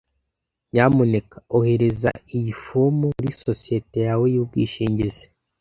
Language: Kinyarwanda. Nyamuneka ohereza iyi fomu muri sosiyete yawe yubwishingizi.